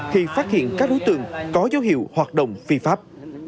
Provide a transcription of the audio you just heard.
thì phát hiện các đối tượng có dấu hiệu hoạt động phi pháp